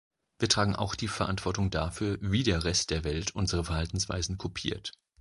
Wir tragen auch die Verantwortung dafür, wie der Rest der Welt unsere Verhaltensweisen kopiert.